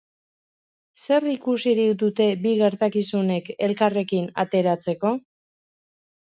Zer ikusirik dute bi gertakizunek elkarrekin ateratzeko?